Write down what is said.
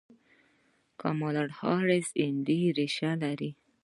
کاملا هاریس هندي ریښې لري.